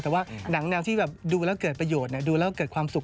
แต่ว่าหนังแนวที่แบบดูแล้วเกิดประโยชน์ดูแล้วเกิดความสุข